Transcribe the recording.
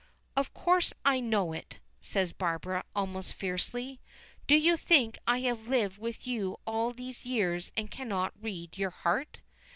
"Of course I know it," says Barbara, almost fiercely. "Do you think I have lived with you all these years and cannot read your heart?